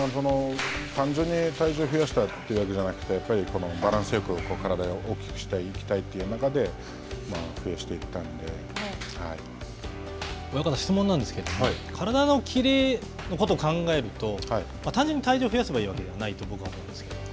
単純に体重を増やしたというわけじゃなくて、やっぱり、バランスよく、体を大きくしていきたいという中で、増やしていったんで、親方、質問なんですけれども、体の切れのことを考えると、単純に体重を増やせばいいわけじゃないと、僕は思うんですけれども。